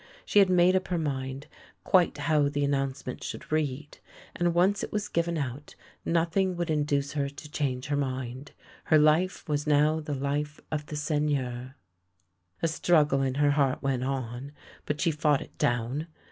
She had made up her mind quite how the announce ment should read, and, once it was given out, nothing would induce her to change her mind. Her life was now the life of the Seigneur. A struggle in her heart went on, but she fought it down.